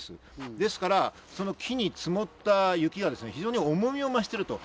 ですから木に積もった雪が非常に重みを増していると。